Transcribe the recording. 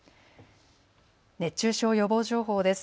熱中症予防情報です。